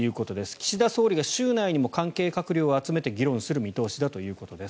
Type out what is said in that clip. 岸田総理が週内にも関係閣僚を集めて議論する見通しだということです。